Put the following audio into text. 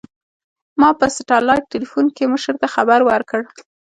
ما په سټلايټ ټېلفون کښې مشر ته خبر ورکړ.